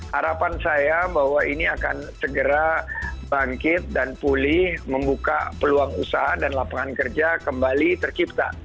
harapan saya bahwa ini akan segera bangkit dan pulih membuka peluang usaha dan lapangan kerja kembali tercipta